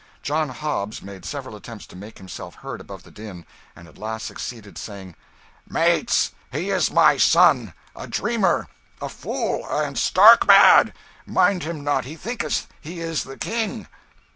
'John Hobbs' made several attempts to make himself heard above the din, and at last succeeded saying "Mates, he is my son, a dreamer, a fool, and stark mad mind him not he thinketh he is the King."